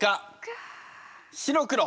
白黒。